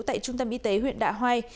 tại trung tâm y tế huyện đạ hoai